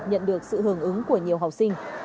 nhận được sự hưởng ứng của nhiều học sinh